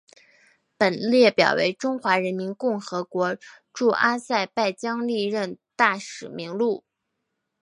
本列表为中华人民共和国驻阿塞拜疆历任大使名录。